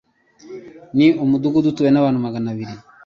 Ni umudugudu utuwe n'abantu magana abiri.